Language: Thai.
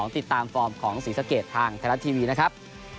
ติดตามฟอร์มของศรีสะเกดทางไทยรัฐทีวีนะครับ